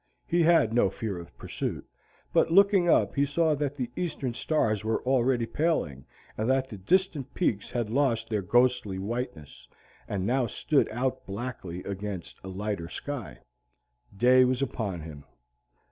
He had no fear of pursuit, but looking up he saw that the eastern stars were already paling, and that the distant peaks had lost their ghostly whiteness, and now stood out blackly against a lighter sky. Day was upon him.